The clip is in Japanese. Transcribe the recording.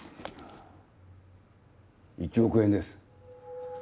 １億円です。